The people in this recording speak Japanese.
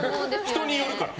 人によるから。